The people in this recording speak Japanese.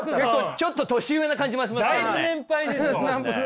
ちょっと年上な感じもしますね。